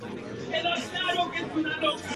La transformación estructural de la vida pública".